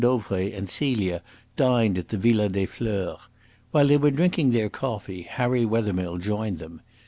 Dauvray and Celia dined at the Villa des Fleurs. While they were drinking their coffee Harry Wethermill joined them.